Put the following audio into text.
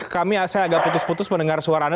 saya agak putus putus mendengar suaranya